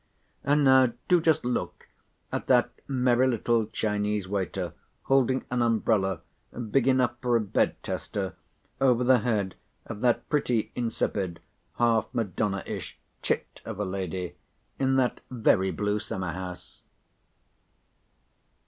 And now do just look at that merry little Chinese waiter holding an umbrella, big enough for a bed tester, over the head of that pretty insipid half Madona ish chit of a lady in that very blue summer house."